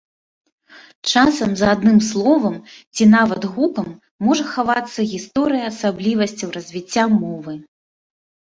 Часам за адным словам ці нават гукам можа хавацца гісторыя асаблівасцяў развіцця мовы.